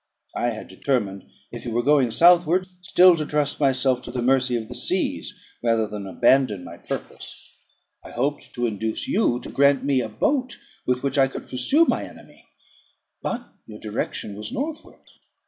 I had determined, if you were going southward, still to trust myself to the mercy of the seas rather than abandon my purpose. I hoped to induce you to grant me a boat with which I could pursue my enemy. But your direction was northward.